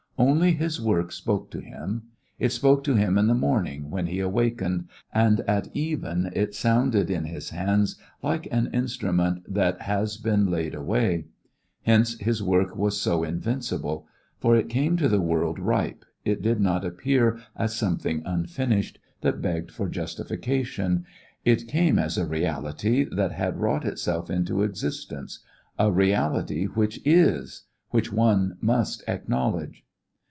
Only his work spoke to him. It spoke to him in the morning when he awakened, and at even it sounded in his hands like an instrument that has been laid away. Hence his work was so invincible. For it came to the world ripe, it did not appear as something unfinished that begged for justification. It came as a reality that had wrought itself into existence, a reality which is, which one must acknowledge.